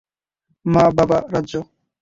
মা, বাবা, রাজ্য।